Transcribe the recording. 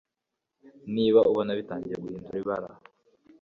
Niba ubona bitangiye guhindura ibara